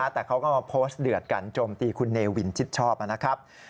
แต่เขาก็มาโพสต์เดือดกันโจมตีคุณเนวินชิดชอบนะครับ